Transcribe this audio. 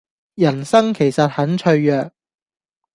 人生其實很脆弱